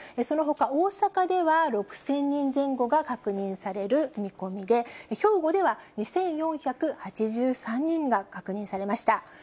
そのほか、大阪では６０００人前後が確認される見込みで、兵庫では２４８３人が確認されました。